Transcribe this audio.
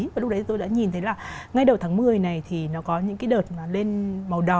và lúc đấy tôi đã nhìn thấy là ngay đầu tháng một mươi này thì nó có những cái đợt mà lên màu đỏ